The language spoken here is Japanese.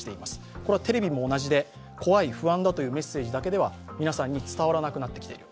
これはテレビも同じで、怖い、不安だというメッセージだけでは皆さんに伝わらなくなってきている。